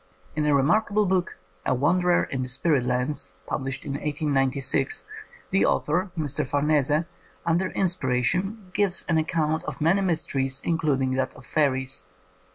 In a remarkable book, A Wanderer in the Spirit Lands, published in 1896, the author, Mr. Farnese, under inspiration gives an account of many mysteries, including that of fairies.